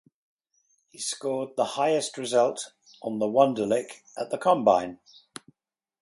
He scored the highest result on the Wonderlic at the combine.